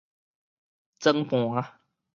裝盤